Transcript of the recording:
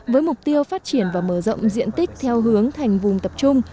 với mục tiêu phát triển và mở rộng diện tích theo hướng thành vùng tập trung